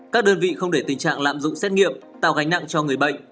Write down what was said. các đơn vị không để tình trạng lạm dụng xét nghiệm tạo gánh nặng cho người bệnh